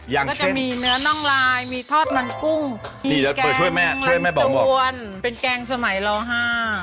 อย่างเช่นก็จะมีเนื้อน่องลายมีทอดมันกุ้งมีแกงมันจวนเป็นแกงสมัยรอห้า